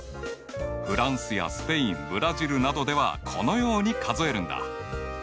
フランスやスペインブラジルなどではこのように数えるんだ。